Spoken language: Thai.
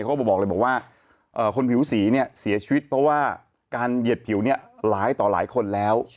เขาบอกเลยบอกว่าคนผิวสีเนี่ยเสียชีวิตเพราะว่าการเหยียดผิวเนี่ยหลายต่อหลายคนแล้ว